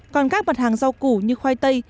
còn các mặt hàng rau củ như khoai tây